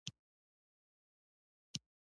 زموږ په ګروپ کې د ارتباطاتو مسوول دی.